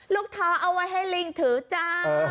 ท้อเอาไว้ให้ลิงถือจ้า